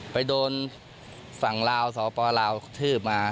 ไปโดนฝั่งลาวสปลาวทืบมา